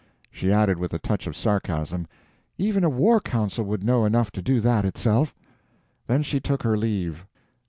She added, with a touch of sarcasm, "Even a war council would know enough to do that itself." Then she took her leave.